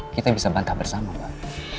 kita bisa bantah bersama pak